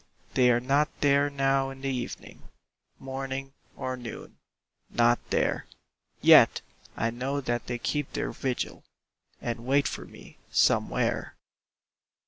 They are not there now in the evening Morning or noon not there; Yet I know that they keep their vigil, And wait for me Somewhere.